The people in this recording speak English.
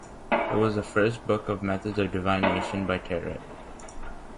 It was the first book of methods of divination by Tarot.